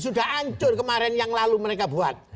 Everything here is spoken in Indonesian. sudah hancur kemarin yang lalu mereka buat